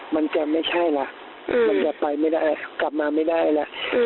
มันจะไม่ใช่แล้วอืมมันจะไปไม่ได้อ่ะกลับมาไม่ได้แล้วอืม